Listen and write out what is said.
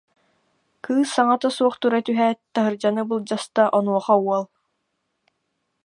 Кыыс саҥата суох тура түһээт, таһырдьаны былдьаста, онуоха уол: